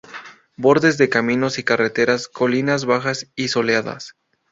Bordes de caminos y carreteras, colinas bajas y soleadas.